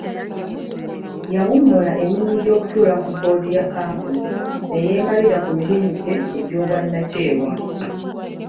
Yawummula emirimu gy'okutuula ku boodi ya kkampuni ne yeemalira ku mirimu gye egy'obwannakyewa.